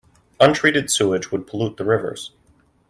Untreated sewage would pollute the rivers.